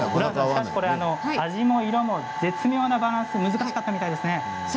味も色も絶妙なバランス難しかったみたいですね。